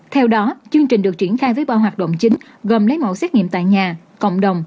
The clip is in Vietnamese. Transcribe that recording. theo đó chương trình được triển khai với ba hoạt động chính gồm lấy mẫu xét nghiệm tại nhà cộng đồng